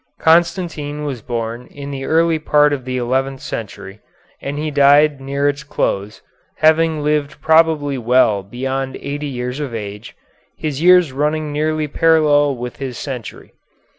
Constantine was born in the early part of the eleventh century, and died near its close, having lived probably well beyond eighty years of age, his years running nearly parallel with his century.